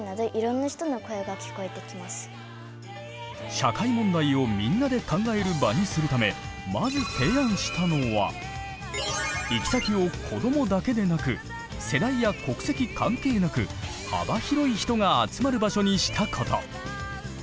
社会問題をみんなで考える場にするため行き先を子どもだけでなく世代や国籍関係なく幅広い人が集まる場所にしたこと。